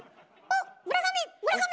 あっ村上！